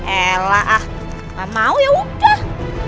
elah ah gak mau yaudah